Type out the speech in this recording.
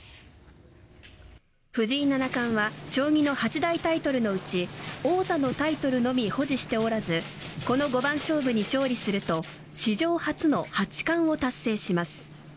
藤井七冠は将棋の八大タイトルのうち王座のタイトルのみ保持しておらずこの五番勝負に勝利すると史上初の八冠を達成します。